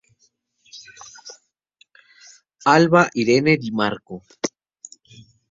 Alba Irene Di Marco.